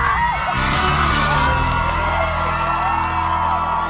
นายที่มีต้องเพิ่ม